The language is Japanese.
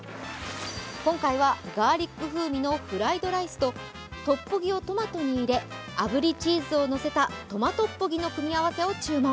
今回はガーリック風味のフライドライスとトッポギをトマトに入れ炙りチーズをのせたトマトッポギのメニューを注文。